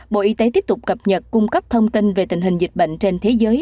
bộ y tế tiếp tục cập nhật cung cấp thông tin về tình hình dịch bệnh trên thế giới